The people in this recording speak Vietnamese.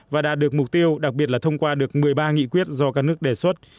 và đạt được mục tiêu đặc biệt là thông qua được một mươi ba nghị quyết do các nước đề xuất